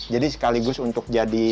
jadi sekaligus untuk bambu